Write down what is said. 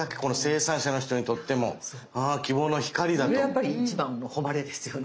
やっぱり一番の誉れですよね。